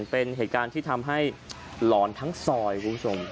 เป็นเหตุการณ์ที่ทำให้หลอนทั้งซอยคุณผู้ชม